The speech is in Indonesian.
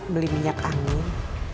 beli minyak angin